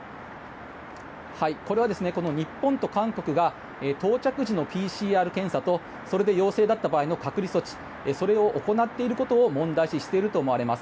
これは日本と韓国が到着時のＰＣＲ検査とそれで陽性だった場合の隔離措置それを行っていることを問題視していると思われます。